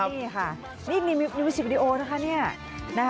นี่ค่ะนี่มีมิวสิกวิดีโอนะคะเนี่ย